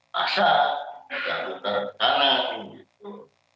paksa gabungkan tanah itu gitu